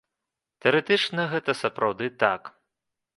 Тэарэтычна гэта сапраўды так.